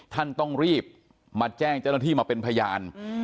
ท่านต้องรีบมาแจ้งเจ้าหน้าที่มาเป็นพยาน